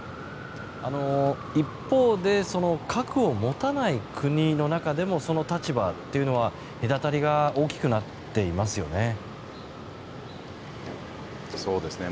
一方で核を持たない国の中でもその立場というのは、隔たりが大きくなっていますよね。